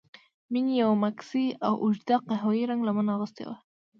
مينې يوه ماکسي او اوږده قهويي رنګه لمن اغوستې وه.